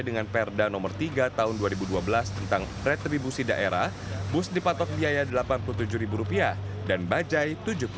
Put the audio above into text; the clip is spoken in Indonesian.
dengan perda nomor tiga tahun dua ribu dua belas tentang retribusi daerah bus dipatok biaya rp delapan puluh tujuh rupiah dan bajai